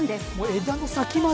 枝の先まで。